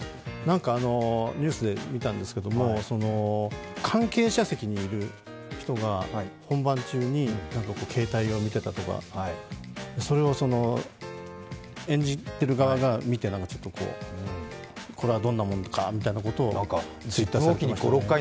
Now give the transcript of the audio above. ニュースで見たんですけれども関係者席にいる人が、本番中に携帯を見ていたとか、それを演じてる側が見て、これはどんなものかとみたいなことをＴｗｉｔｔｅｒに。